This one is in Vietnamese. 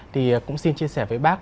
thì cũng xin chia sẻ với bác